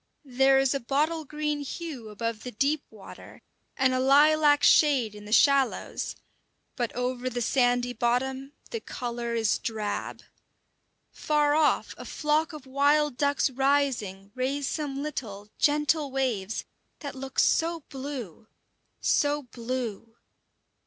There is a bottle green hue above the deep water, and a lilac shade in the shallows; but over the sandy bottom the colour is drab. Far off a flock of wild ducks rising raise some little, gentle waves, that look so blue, so blue!